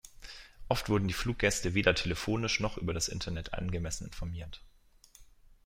Oft wurden die Fluggäste weder telefonisch noch über das Internet angemessen informiert.